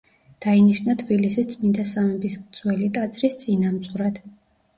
დაინიშნა თბილისის წმიდა სამების ძველი ტაძრის წინამძღვრად.